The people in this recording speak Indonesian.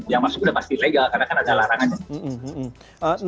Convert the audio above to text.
yang masuk udah pasti ilegal karena kan ada larangan